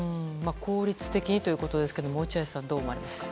効率的にということですが落合さんはどう思われますか？